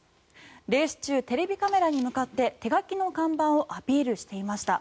レース中テレビカメラに向かって手書きの看板をアピールしていました。